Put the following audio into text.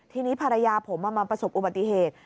ทีนี้ภรรยาผมมาประสบอุบัติเหตุ